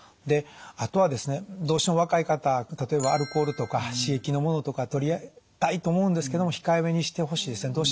であとはですねどうしても若い方例えばアルコールとか刺激のものとかとりたいと思うんですけども控えめにしてほしいですね。